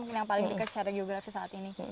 mungkin yang paling dekat secara geografis saat ini